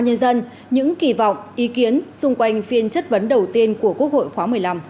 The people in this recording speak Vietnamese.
nhân dân những kỳ vọng ý kiến xung quanh phiên chất vấn đầu tiên của quốc hội khóa một mươi năm